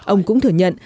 ông cũng thừa nhận